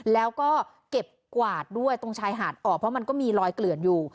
แล้วก็เก็บกวาดด้วยตรงชายหาดออกเพราะมันก็มีรอยเกลื่อนอยู่